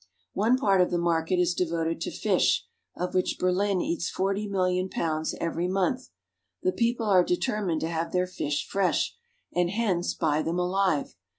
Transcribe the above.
One part of the market is devoted to fish, of which Ber lin eats forty million pounds every month. The people are determined to have their fish fresh, and hence buy them alive.